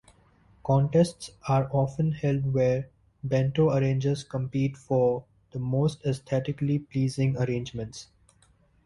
Contests are often held where bento arrangers compete for the most aesthetically pleasing arrangements.